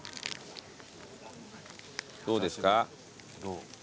どうですか？